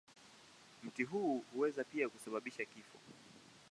Mti huu huweza pia kusababisha kifo.